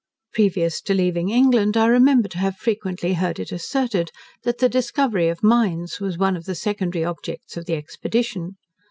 Previous to leaving England I remember to have frequently heard it asserted, that the discovery of mines was one of the secondary objects of the expedition.